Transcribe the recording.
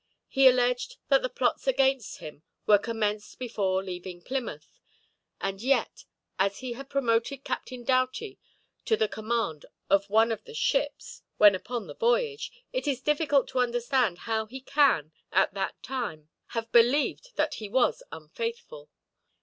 He alleged that the plots against him were commenced before leaving Plymouth; and yet, as he had promoted Captain Doughty to the command of one of the ships, when upon the voyage, it is difficult to understand how he can, at that time, have believed that he was unfaithful.